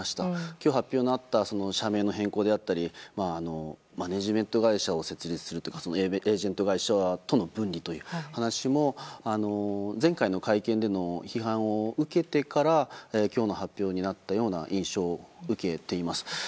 今日、発表のあった社名の変更であったりマネジメント会社を設立するエージェント会社との分離という話も前回の会見での批判を受けてから今日の発表になったような印象を受けています。